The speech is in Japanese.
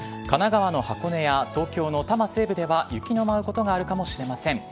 神奈川の箱根や東京の多摩西部では雪の舞うことがあるかもしれません。